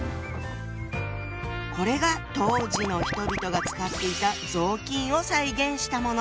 これが当時の人々が使っていた雑巾を再現したもの。